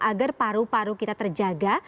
agar paru paru kita terjaga